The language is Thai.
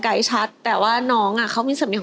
เราจะจะร้องไกด